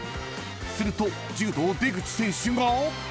［すると柔道出口選手が］